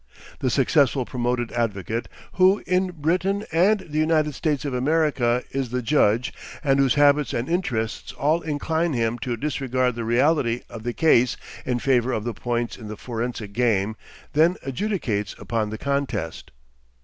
The successful promoted advocate, who in Britain and the United States of America is the judge, and whose habits and interests all incline him to disregard the realities of the case in favour of the points in the forensic game, then adjudicates upon the contest.